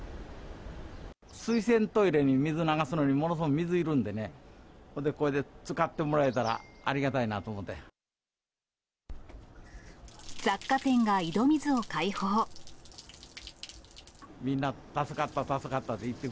水洗トイレに水流すのに、ものすごく水いるんでね、ほれでこれで使ってもらえたらありがたいなと思って。